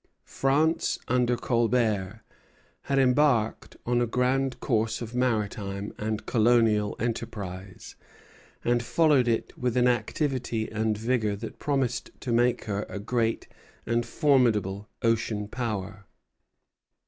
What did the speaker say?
France under Colbert had embarked on a grand course of maritime and colonial enterprise, and followed it with an activity and vigor that promised to make her a great and formidable ocean power.